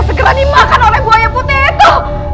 segera dimakan oleh buaya putih itu